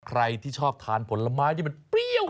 ใครที่ชอบทานผลไม้ที่มันเปรี้ยว